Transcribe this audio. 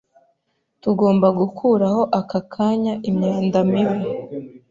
Tugomba gukuraho ako kanya imyanda mibi.